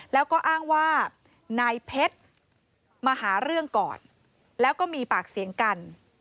แล้วก็อ้างว่านายเพชรมาหาเรื่องก่อนแล้วก็มีปากเสียงกัน